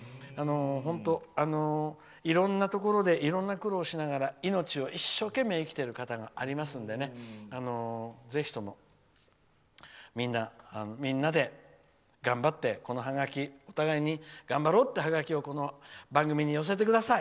本当、いろんなところでいろんな苦労をしながら命を一生懸命生きている方がありますのでぜひともみんなで頑張ってお互いに頑張ろうっていうハガキをこの番組に寄せてください。